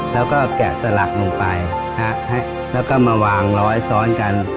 แล้วก็แกะสลักลงไปแล้วก็มาวางร้อยซ้อนกัน